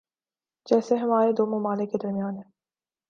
جیسے ہمارے دو ممالک کے درمیان ہیں۔